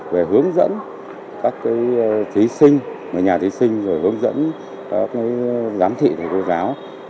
về hướng dẫn các thí sinh nhà thí sinh hướng dẫn giám thị thầy cô giáo